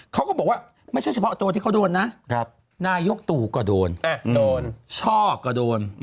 เขาก็บอกว่าไม่ใช่เฉพาะตัวที่เขาโดนนะนายกตู่ก็โดนโดนช่อก็โดน